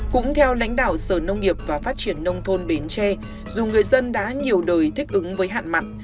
cũng theo lãnh đạo sở nông nghiệp và phát triển nông thôn bến tre dù người dân đã nhiều đời thích ứng với hạn mặn